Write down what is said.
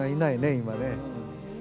今ね。